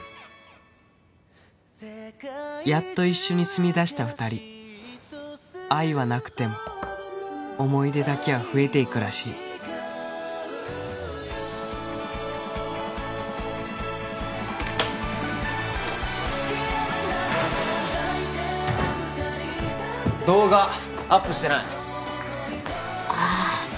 やっと一緒に住みだした二人愛はなくても思い出だけは増えていくらしい動画アップしてないあっ